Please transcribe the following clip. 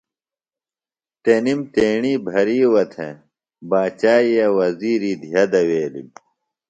تنم تیݨی بھرِیوہ تھےۡ باچائی ئیے وزِیری دھیہ دویلم